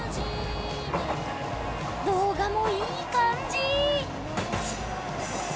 動画もいい感じ！